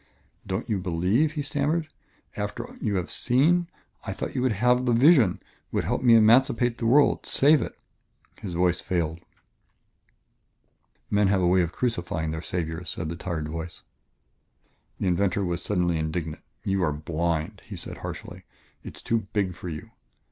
"Don't you believe?" he stammered. "After you have seen ... I thought you would have the vision, would help me emancipate the world, save it " His voice failed. "Men have a way of crucifying their saviors," said the tired voice. The inventor was suddenly indignant. "You are blind," he said harshly; "it is too big for you.